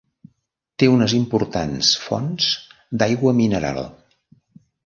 Té unes importants fonts d'aigua mineral.